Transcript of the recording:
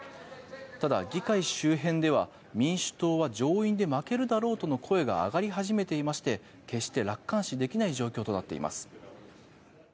ただ議会周辺では民主党は上院で負けるだろうとの声が上がり始めていまして決して楽観視できない状況となっています。